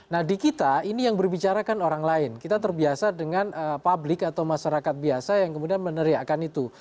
nah di kita ini yang berbicara kan orang lain kita terbiasa dengan publik atau masyarakat biasa yang kemudian meneriakan itu